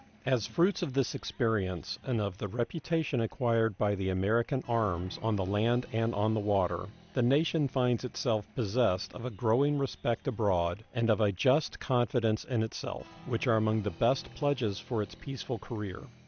As fruits of this experience and of the reputation acquired by the American arms on the land and on the water, the nation finds itself possessed of a growing respect abroad and of a just confidence in itself, which are among the best pledges for its peaceful career.